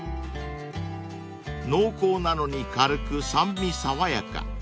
［濃厚なのに軽く酸味爽やか］